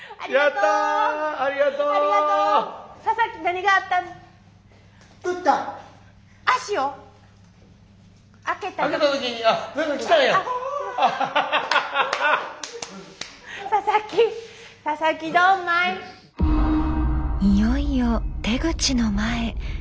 いよいよ出口の前。